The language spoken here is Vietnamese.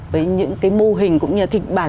với những mô hình cũng như thịnh bản